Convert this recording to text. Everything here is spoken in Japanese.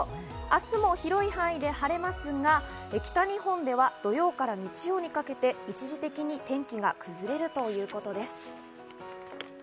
明日も広い範囲で晴れますが、北日本では土曜から日曜にかけて一時的に天気が崩れるということです。